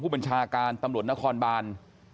บัญชาการตำรวจนครบาน